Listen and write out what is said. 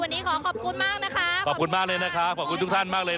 วันนี้ขอขอบคุณมากนะคะขอบคุณมากเลยนะคะขอบคุณทุกท่านมากเลย